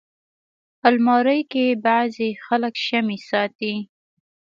الماري کې بعضي خلک شمعې ساتي